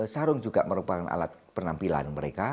sarung juga merupakan alat penampilan mereka